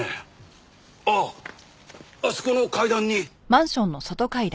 あああそこの階段に。